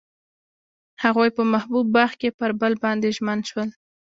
هغوی په محبوب باغ کې پر بل باندې ژمن شول.